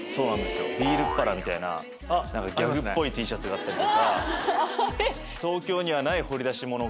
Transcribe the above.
ビール腹みたいなギャグっぽいＴシャツがあったりとか。